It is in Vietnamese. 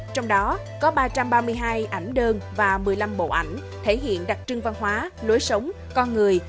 trong đó có ba trăm ba mươi hai ảnh đơn và một mươi năm bộ ảnh thể hiện đặc trưng văn hóa lối sống con người